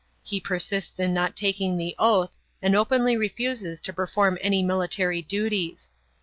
He persists in not taking the oath and openly refuses to perform any military duties.